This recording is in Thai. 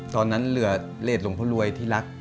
ตอนนั้นเหลือเลสลงพ่อรวยที่รัก